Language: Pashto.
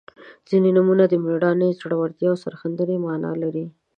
• ځینې نومونه د میړانې، زړورتیا او سرښندنې معنا لري.